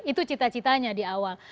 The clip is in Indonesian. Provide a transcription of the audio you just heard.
itu cita citanya di awal